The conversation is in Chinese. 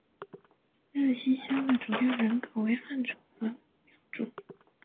日溪乡的主要人口为汉族和畲族。